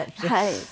はい。